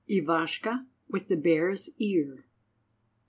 IVASHKA WITH THE BEAR'S EAR.